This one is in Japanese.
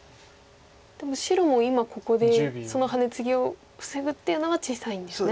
でも白も今ここでそのハネツギを防ぐっていうのは小さいんですね。